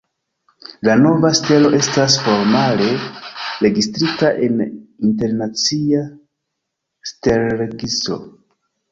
La nova stelo estas formale registrita en internacia stelregistro.